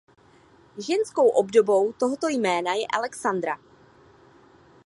Ženskou obdobou tohoto jména je Alexandra.